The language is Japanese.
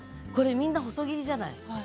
みんな細切りじゃない？